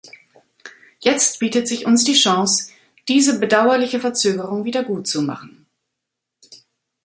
Jetzt bietet sich uns die Chance, diese bedauerliche Verzögerung wiedergutzumachen.